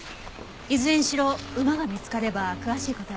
いずれにしろ馬が見つかれば詳しい事はわかるはずです。